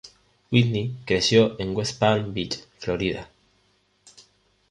Whitney creció en West Palm Beach, Florida.